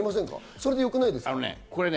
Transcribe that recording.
それでよくないですか？